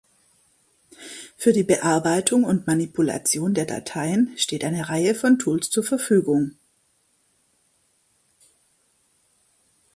Für die Bearbeitung und Manipulation der Dateien steht eine Reihe von Tools zur Verfügung.